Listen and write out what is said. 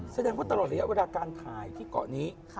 แสดงว่าตลอดระยะเวลาการถ่ายที่เกาะนี้